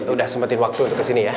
udah sempetin waktu untuk kesini ya